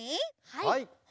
はい。